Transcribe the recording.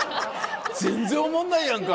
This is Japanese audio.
全然おもんないやんか。